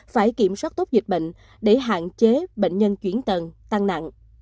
phải kiểm soát tốt dịch bệnh để hạn chế bệnh nhân chuyển tầng tăng nặng